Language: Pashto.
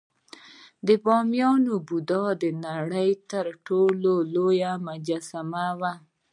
د بامیان بودا د نړۍ تر ټولو لویه مجسمه وه